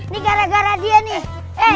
nih gara gara dia nih